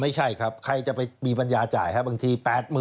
ไม่ใช่ครับใครจะมีปัญญาจ่ายบางที๘๐๐๐๐๑๐๐๐๐๐